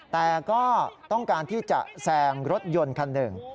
แต่ก็ต้องการที่จะแซงรถยนต์คันหนึ่ง